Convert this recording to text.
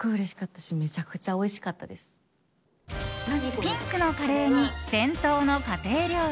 ピンクのカレーに伝統の家庭料理